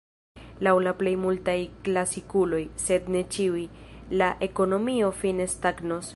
Laŭ la plej multaj klasikuloj, sed ne ĉiuj, la ekonomio fine stagnos.